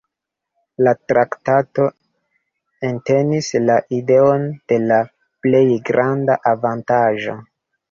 La traktato entenis la ideon de la plej granda avantaĝo.